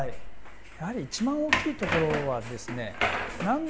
やはり一番大きいところはですね